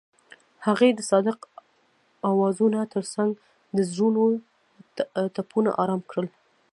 هغې د صادق اوازونو ترڅنګ د زړونو ټپونه آرام کړل.